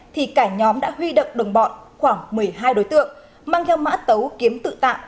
thì cả nhóm đã huy động đồng bọn khoảng một mươi hai đối tượng mang theo mã tấu kiếm tự tạ